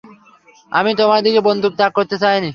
আমি তোমার দিকে বন্দুক তাক করতে চাইনি।